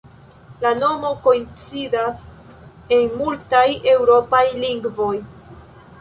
La nomo koincidas en multaj eŭropaj lingvoj.